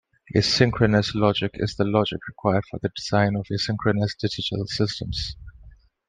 Asynchronous logic is the logic required for the design of asynchronous digital systems.